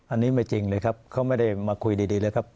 อันนี้ไม่จริงเลยครับเขาไม่ได้มาคุยดีเลยครับ